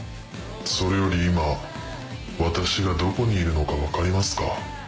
それより今私がどこにいるのか分かりますか？